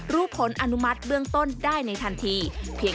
รู้ผลอนุมัติเบื้องต้นได้ในทันที